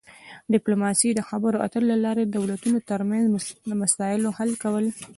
ډیپلوماسي د خبرو اترو له لارې د دولتونو ترمنځ د مسایلو حل کول دي